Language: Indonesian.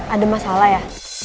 ada masalah ya